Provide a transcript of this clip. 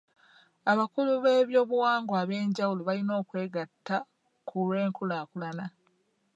Abakulu b'ebyobuwangwa eb'enjawulo balina okwegatta ku lw'enkulaakulana.